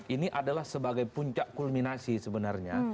ini adalah sebagai puncak kulminasi sebenarnya